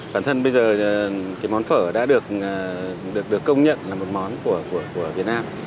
bản thân bây giờ cái món phở đã được công nhận là một món của việt nam